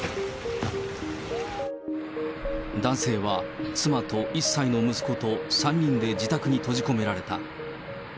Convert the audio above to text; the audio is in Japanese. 男性は、妻と１歳の息子と３人で自宅に閉じ込められた。